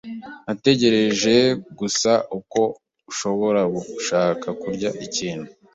Natekereje gusa ko ushobora gushaka kurya ikintu.